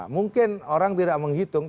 mungkin orang tidak menghitung